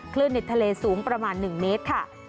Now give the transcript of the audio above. ในทะเลสูงประมาณ๑เมตรค่ะ